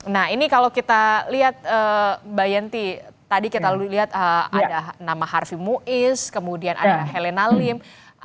nah ini kalau kita lihat bayanti tadi kita lihat ada nama harvey mois kemudian ada helena lim